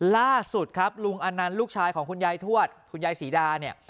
ล่าสุดครับลุงอนันต์ลูกชายของคุณยายทวดคุณยายศรีดาเนี่ย